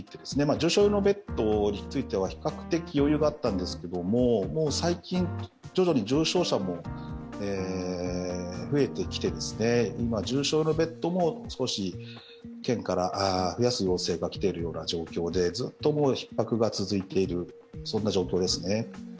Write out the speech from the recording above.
重症用のベッドについては比較的余裕があったんですけど、最近、徐々に重症者も増えてきて、今、重症のベッドも、少し県から増やすような要請が来ている状況で、ずっとひっ迫が続いているそんな状況ですね。